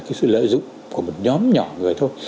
cái sự lợi dụng của một nhóm nhỏ người thôi